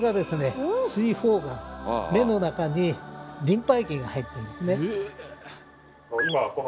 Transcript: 目の中にリンパ液が入っていますね。